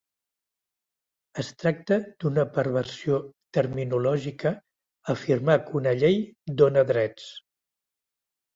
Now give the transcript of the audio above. Es tracta d'una perversió terminològica afirmar que una llei dóna drets.